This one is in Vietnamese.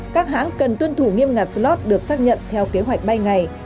các hãng cần tuân thủ nghiêm ngặt slot được xác nhận theo kế hoạch bay ngày